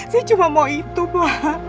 saya cuma mau itu pak